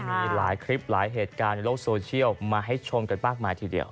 มีหลายคลิปหลายเหตุการณ์ในโลกโซเชียลมาให้ชมกันมากมายทีเดียว